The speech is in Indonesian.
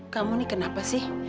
kamu ini kenapa sih